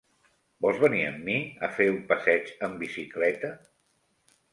Vols venir amb mi a fer un passeig amb bicicleta?